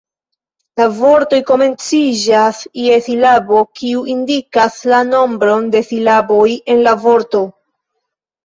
La vortoj komenciĝas je silabo, kiu indikas la nombron de silaboj en la vorto.